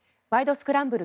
スクランブル」